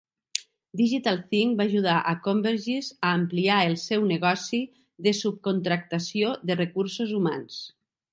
DigitalThink va ajudar a Convergys a ampliar el seu negoci de subcontractació de recursos humans.